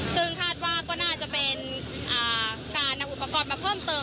ซึ่งคาดว่าก็น่าจะเป็นการนำอุปกรณ์มาเพิ่มเติม